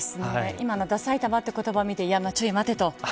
今のダさいたまという言葉を見てちょい待てと。